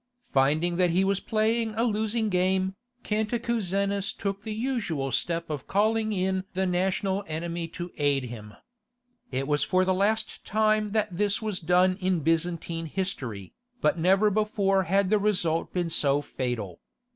Finding that he was playing a losing game, Cantacuzenus took the usual step of calling in the national enemy to aid him. It was for the last time that this was done in Byzantine history, but never before had the result been so fatal.